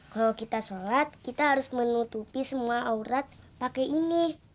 kalau kita sholat kita harus menutupi semua aurat pakai ini